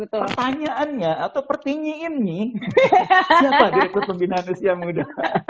pertanyaannya atau pertinyiin nih siapa direktur pembinaan usia muda